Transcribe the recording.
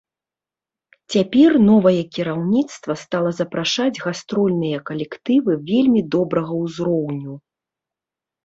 Цяпер новае кіраўніцтва стала запрашаць гастрольныя калектывы вельмі добрага ўзроўню.